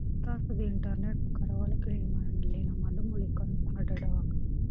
تاسو د انټرنیټ په کارولو کې له نامعلومو لینکونو څخه ډډه وکړئ.